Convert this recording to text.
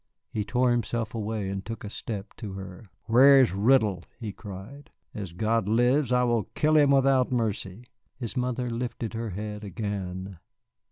He tore himself away, and took a step to her. "Where is Riddle?" he cried. "As God lives, I will kill him without mercy!" His mother lifted her head again.